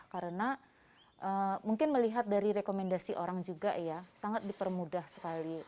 karena mungkin melihat dari rekomendasi orang juga ya sangat dipermudah sekali